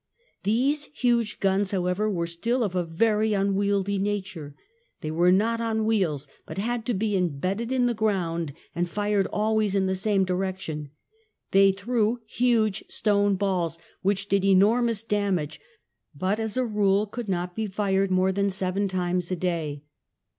These huge guns, however, were still of a very unwieldy nature : they were not on wheels, but had to be embedded in the ground and fired always in the same direction ; they threw huge stone balls which did enormous damage, but as a rule could not be fired more than seven times a day.